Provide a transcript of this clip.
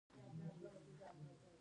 تودوخه د افغانستان د اقلیم ځانګړتیا ده.